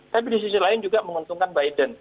tapi di sisi lain juga menguntungkan biden